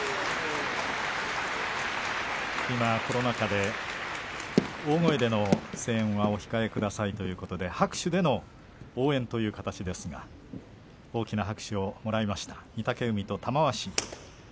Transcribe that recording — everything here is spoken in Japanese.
今、コロナ禍で大声での声援はお控えくださいということで拍手での応援という形ですが大きな拍手をもらいました御嶽海と玉鷲。